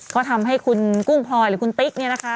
ก็ทำให้คุณกุ้งพลอยหรือคุณติ๊กเนี่ยนะคะ